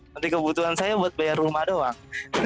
nanti kebutuhan saya buat bayar rumah doang